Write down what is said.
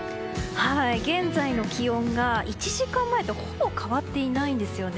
はい、現在の気温が１時間前とほぼ変わっていないんですよね。